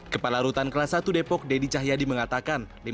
kepala rutan kelas satu depok deddy cahyadi mengatakan